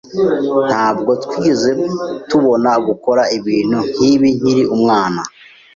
Ntabwo twigeze tubona gukora ibintu nkibi nkiri umwana.